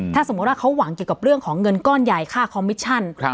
ถ้าสมมุติว่าเขาหวังเกี่ยวกับเรื่องของเงินก้อนใหญ่ค่าคอมมิชชั่น